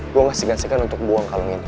gue masih gansikan untuk buang kalung ini